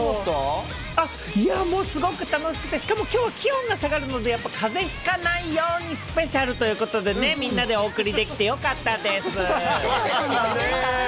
いや、もうすごく楽しくて、しかもきょうは気温が下がるので、かぜひかないようにスペシャルということで、みんなでお送りできそうだねー。